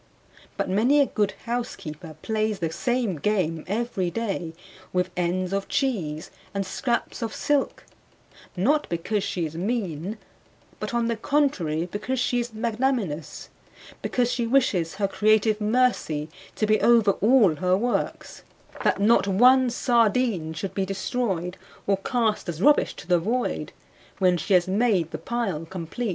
But many a good housekeeper plays the same game every day with ends of cheese and scraps of silk, not because she is mean, but on the contrary, because she is magnanimous; because she wishes her creative mercy to be over all her works, that not one sardine should be destroyed, or cast as rubbish to the void, when she has made the pile complete.